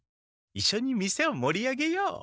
いっしょに店を盛り上げよう。